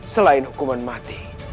selain hukuman mati